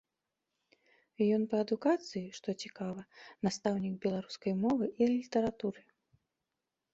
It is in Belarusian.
Ён па адукацыі, што цікава, настаўнік беларускай мовы і літаратуры.